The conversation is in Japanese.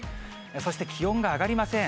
そして気温が上がりません。